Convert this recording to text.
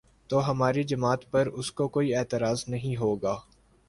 تو ہماری جماعت کو اس پر کوئی اعتراض نہیں ہو گا۔